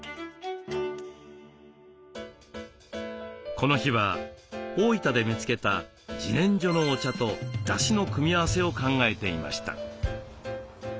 この日は大分で見つけたじねんじょのお茶とだしの組み合わせを考えていました。